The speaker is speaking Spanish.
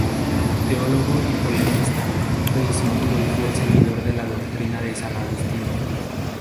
Teólogo y polemista, fue discípulo y fiel seguidor de la doctrina de San Agustín.